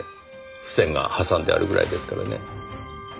付箋が挟んであるぐらいですからね。